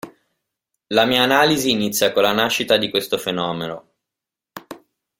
La mia analisi inizia con la nascita di questo fenomeno.